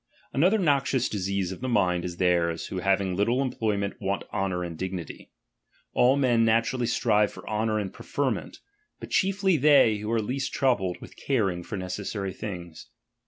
Another noxious disease of the mind is theirs, who having little employment, want honour and dignity. All men naturally strive for honour and preferment ; but chiefly they, who are least troubled with caring for necessary things.